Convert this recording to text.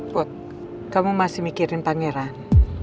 put kamu masih mikirin pangeran